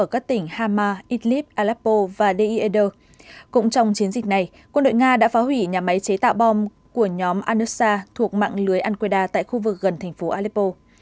cũng trong chiến dịch này quân đội nga đã phá hủy nhà máy chế tạo bom của nhóm anasa thuộc mạng lưới ankaida tại khu vực gần thành phố aleppo